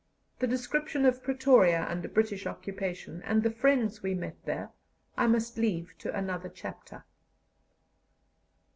The description of Pretoria under British occupation, and the friends we met there, I must leave to another chapter.